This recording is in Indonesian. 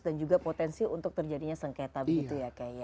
dan juga potensi untuk terjadinya sengketa